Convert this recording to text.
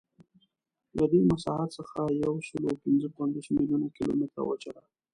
له دې مساحت څخه یوسلاوپینځهپنځوس میلیونه کیلومتره وچه ده.